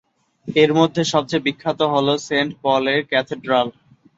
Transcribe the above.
এর মধ্যে সবচেয়ে বিখ্যাত হলো সেন্ট পলের ক্যাথেড্রাল।